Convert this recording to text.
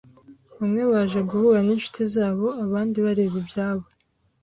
Bamwe baje guhura n'inshuti zabo abandi bareba ibyabo.